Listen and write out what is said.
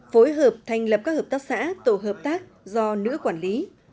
phối hợp thành lập các hợp tác xã tổ hợp tác do nữ quản lý